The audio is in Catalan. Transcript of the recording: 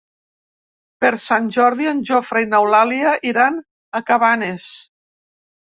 Per Sant Jordi en Jofre i n'Eulàlia iran a Cabanes.